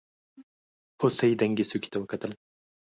هوسۍ دنګې څوکې ته وکتل.